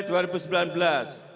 kembali ke tps